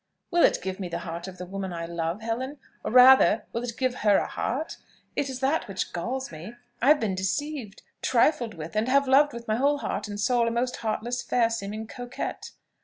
"Will it give me the heart of the woman I love, Helen? or rather, will it give her a heart? It is that which galls me. I have been deceived trifled with, and have loved with my whole heart and soul a most heartless, fair seeming coquette."